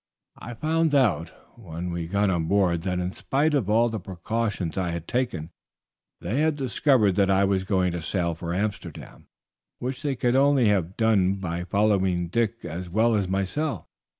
I found out, when we got on board that in spite of all the precautions I had taken, they had discovered that I was going to sail for Amsterdam, which they could only have done by following Dick as well as myself.